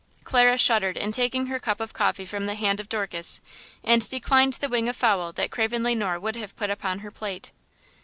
Clara shuddered in taking her cup of coffee from the hand of Dorcas, and declined the wing of fowl that Craven Le Noir would have put upon her plate.